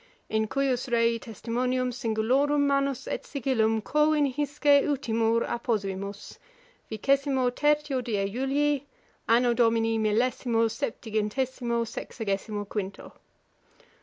In cujus rei testimonium singulorum manus et sigillum quo in hisce utimur apposuimus; vicesimo tertio die Julii, Anno Domini millesimo septingentesimo sexagesimo quinto.